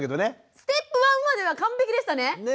ステップ①までは完璧でしたね。